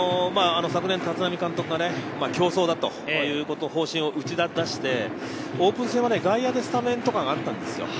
昨年、立浪監督が競争だという方針を打ち出して、オープン戦は外野でスタメンとかがあったんですよ。